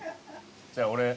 じゃあ俺。